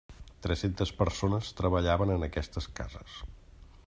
Tres-centes persones treballaven en aquestes cases.